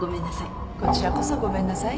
こちらこそごめんなさい。